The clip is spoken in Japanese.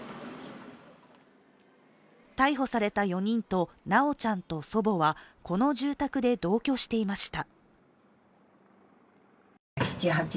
逮捕された４人と修ちゃんと祖母はこの住宅で同居していました。